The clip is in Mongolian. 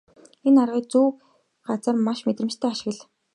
Энэ аргыг зөв газар маш мэдрэмжтэй ашигла.